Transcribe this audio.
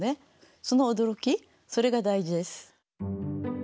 その驚きそれが大事です。